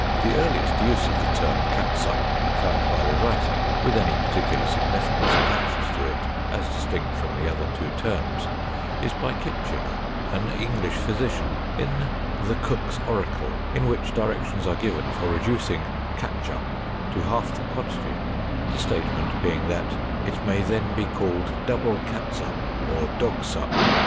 The earliest use of the term catsup, found by the writer, with any particular significance attached to it as distinct from the other two terms, is by Kitchiner, an English physician, in the Cook's Oracle, in which directions are given for reducing "catchup" to half the quantity, the statement being that "it may then be called double cat sup or dog sup."